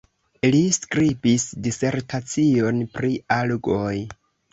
Li skribis disertacion pri algoj.